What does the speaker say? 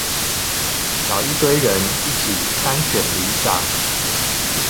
找一堆人一起參選里長